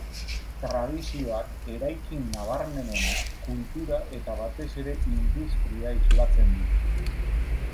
Tradizioak, eraikin nabarmenenak, kultura eta batez ere industria islatzen ditu.